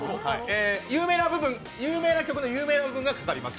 有名な曲の有名な部分がかかります。